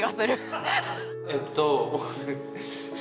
えっと僕。